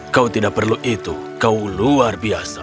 kau tidak perlu itu kau luar biasa